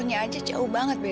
apa yang kamu maksud wih